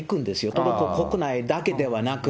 トルコ国内だけではなく。